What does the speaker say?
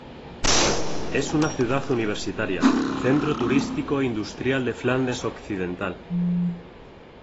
Es una ciudad universitaria, centro turístico e industrial de Flandes Occidental.